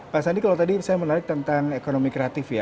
pak sandi kalau tadi saya menarik tentang ekonomi kreatif ya